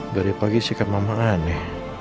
dari pagi sikat mama aneh